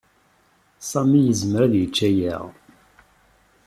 Sami yezmer ad yečč aya.